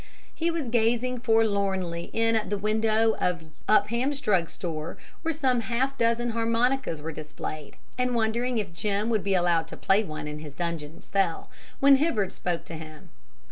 He was gazing forlornly in at the window of Upham's drugstore, where some half dozen harmonicas were displayed, and wondering if Jim would be allowed to play one in his dungeon cell, when Hibbard spoke to him.